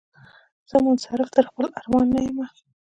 زه منصرف تر خپل ارمان نه یمه